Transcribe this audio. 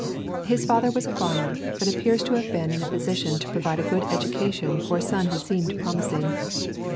His father was a farmer, but appears to have been in a position to provide a good education for a son who seemed promising.